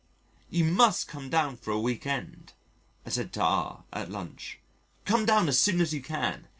"You must come down for a week end," I said to R at lunch. "Come down as soon as you can.